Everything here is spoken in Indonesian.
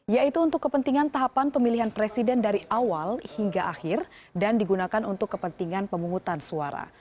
yaitu untuk kepentingan tahapan pemilihan presiden dari awal hingga akhir dan digunakan untuk kepentingan pemungutan suara